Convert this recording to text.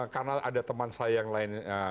karena ada teman saya yang lain